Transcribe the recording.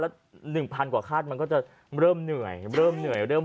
แล้ว๑๐๐กว่าคาดมันก็จะเริ่มเหนื่อยเริ่มเหนื่อยเริ่ม